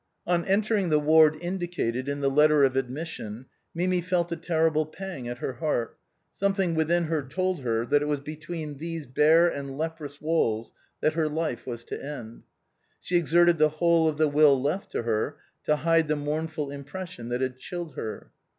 On entering the ward indicated in the letter of admis sion Mi mi felt a terrible pang at her heart, something within her told her that it was between these bare and leprous walls that her life was to end. She exerted the whole of the will left her to hide the mournful impression that had chilled her.